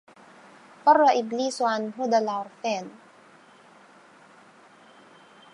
فر إبليس عن هدى العرفان